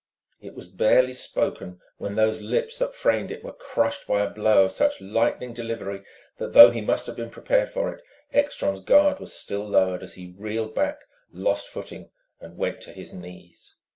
It was barely spoken when those lips that framed it were crushed by a blow of such lightning delivery that, though he must have been prepared for it, Ekstrom's guard was still lowered as he reeled back, lost footing, and went to his knees.